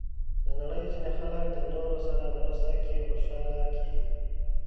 د نړۍ ځینې خلک د نورو سره مرسته کې خوشحاله کېږي.